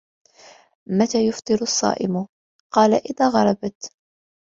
مَتَى يُفْطِرُ الصَّائِمُ ؟ قَالَ إذَا غَرَبَتْ